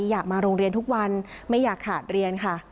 อยากมาโรงเรียนทุกวันไม่อยากขาดเรียนค่ะ